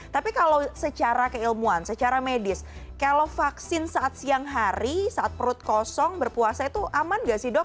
tapi kalau secara keilmuan secara medis kalau vaksin saat siang hari saat perut kosong berpuasa itu aman gak sih dok